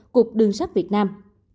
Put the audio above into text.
cục đường xác việt nam